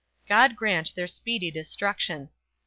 God grant their speedy destruction!